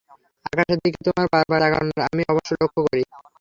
আকাশের দিকে তোমার বার বার তাকানোকে আমি অবশ্য লক্ষ্য করি।